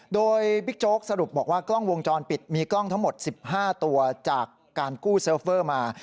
โดยบิ๊กโจ๊กสรุปบอกว่ากล้องวงจรปิดมีกล้องทั้งหมด๑๕ตัวจากการกู้เซิร์ฟเฟอร์มา